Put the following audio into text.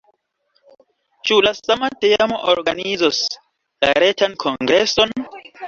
Ĉu la sama teamo organizos la retan kongreson?